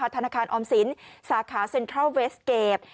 ธนาคารออมสินสาขาเซ็นทรัลเวสเกจ